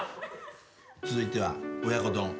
続いては親子丼。